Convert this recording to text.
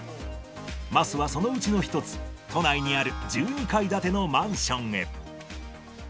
桝はそのうちの１つ、都内にある１２階建てのマンションへ。